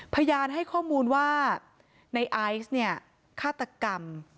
พยานให้ข้อมูลว่าในไอซ์เนี่ยฆาตกรรม